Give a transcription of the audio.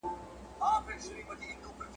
د خدای سره خبرې کړه هنوز په سجده کې